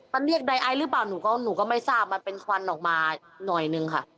มันเรียกไดไอซ์หรือเปล่าหนูก็หนูก็ไม่ทราบมันเป็นควันออกมาหน่อยนึงค่ะ